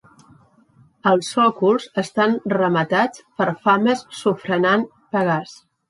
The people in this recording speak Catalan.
Els sòcols estan rematats per fames sofrenant Pegàs.